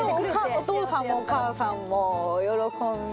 お父さんもお母さんも喜んで。